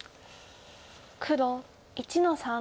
黒１の三。